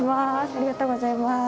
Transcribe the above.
ありがとうございます。